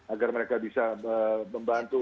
agar mereka bisa membantu